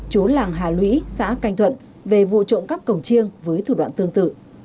chú làng hà lũy xã canh thuận về vụ trộm cắp cổng chiêng với thủ đoạn tương tự